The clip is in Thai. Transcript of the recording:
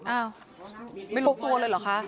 อ้าวไม่รู้ตัวเลยเหรอคะ